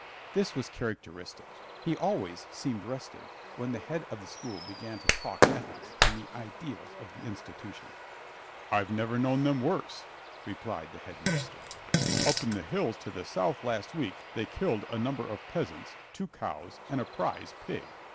This was characteristic. He always seemed restive when the head of the school began to talk ethics and the ideals of the institution. "I've never known them worse," replied the Headmaster. "Up in the hills to the south last week they killed a number of peasants, two cows and a prize pig.